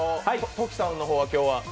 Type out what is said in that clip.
トキさんの方は今日は？